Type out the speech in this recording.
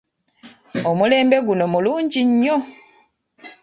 Omulembe guno mulungi nnyo.